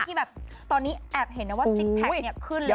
ที่แบบตอนนี้แอบเห็นนะว่าซิกแพคเนี่ยขึ้นแล้ว